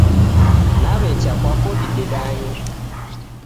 Naw'echa kwako didedanye.